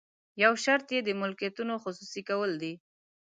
یو شرط یې د ملکیتونو خصوصي کول دي.